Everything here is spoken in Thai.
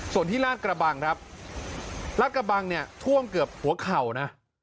ส่วนที่ราดกระบังราดกระบังถ่วงเกือบหัวเข่าน่ะ